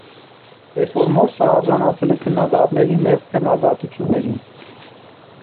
Դեֆորմորսը արժանացել է քննադատների մեղմ քննադատություններին։